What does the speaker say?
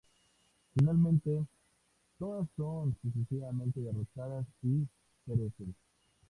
Finalmente, todas son sucesivamente derrotadas y perecen.